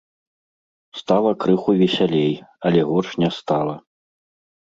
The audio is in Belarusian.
Стала крыху весялей, але горш не стала.